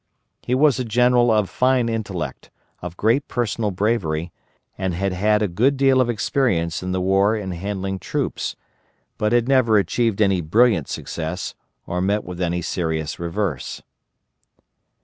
He was a general of fine intellect, of great personal bravery, and had had a good deal of experience in the war in handling troops, but had never achieved any brilliant success, or met with any serious reverse.